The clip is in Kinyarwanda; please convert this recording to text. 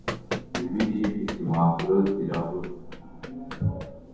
Bibiliya ifite impapuro zirabura